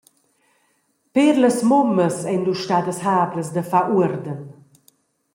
Pér las mummas ein lu stadas hablas da far uorden.